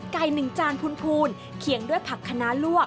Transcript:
ไก่หนึ่งจานฟูนฟูนเคียงด้วยผักขนาลวก